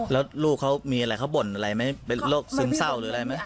แล้วลูกเขามีอะไรเขาบ่นอะไรไหมเป็นโรคซึมเศร้าหรืออะไรไหม